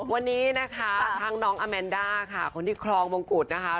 วันนี้นะคะทั้งน้องอาแมนด้าค่ะคนที่ครองมงกุฎนะคะ